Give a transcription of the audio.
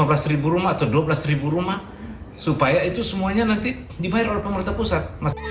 lima belas ribu rumah atau dua belas ribu rumah supaya itu semuanya nanti dibayar oleh pemerintah pusat